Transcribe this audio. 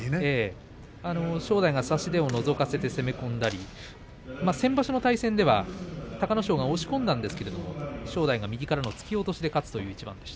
正代が差し手をのぞかせて攻め込んだり先場所の対戦では隆の勝が押し込んだんですが正代が右からの突き落としで勝ったという一番です。